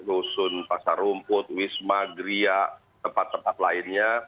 rusun pasar rumput wisma gria tempat tempat lainnya